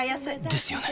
ですよね